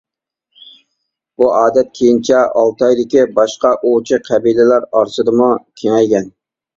بۇ ئادەت كېيىنچە ئالتايدىكى باشقا ئوۋچى قەبىلىلەر ئارىسىدىمۇ كېڭەيگەن.